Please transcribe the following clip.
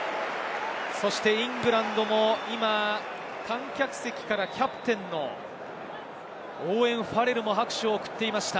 そしてイングランドも今、観客席からキャプテンのオーウェン・ファレルも拍手を送っていました。